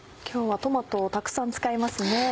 今日はトマトをたくさん使いますね。